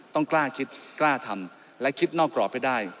ต้องกล้าคิดกล้าทำและคิดนอกกรอบให้ได้